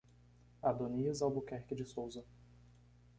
Adonias Albuquerque de Souza